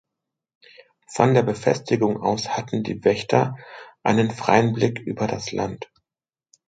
Von der Befestigung aus hatten die Wächter einen freien Blick über das Land.